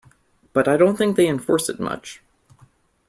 But I don't think they enforced it much.